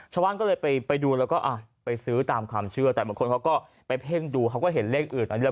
ชาวบ้านก็เลยไปดูแล้วก็ไปซื้อตามความเชื่อแต่บางคนเขาก็ไปเพ่งดูเขาก็เห็นเลขอื่นอันนี้